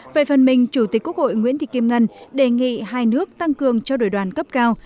về phần mình chủ tịch quốc hội nguyễn thị kim ngân đề nghị hai nước tăng cường trao đổi đoàn cấp cao